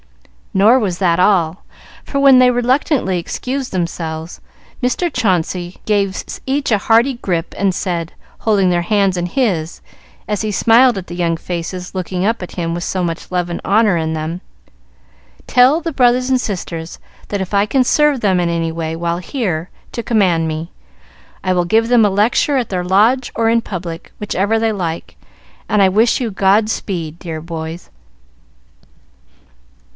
Nor was that all, for when they reluctantly excused themselves, Mr. Chauncey gave each a hearty "grip," and said, holding their hands in his, as he smiled at the young faces looking up at him with so much love and honor in them, "Tell the brothers and sisters that if I can serve them in any way while here, to command me. I will give them a lecture at their Lodge or in public, whichever they like; and I wish you God speed, dear boys."